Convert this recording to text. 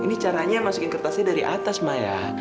ini caranya masukin kertasnya dari atas maya